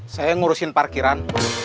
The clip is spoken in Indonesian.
saya ngurusin parkiran